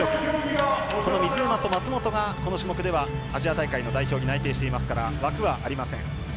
この水沼と松元がこの種目ではアジア大会の代表に内定していますから枠はありません。